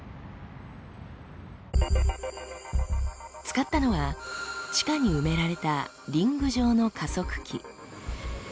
使ったのは地下に埋められたリング状の加速器。